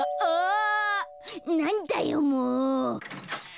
なんだよもう。